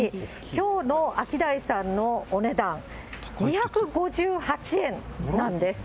きょうのアキダイさんのお値段、２５８円なんです。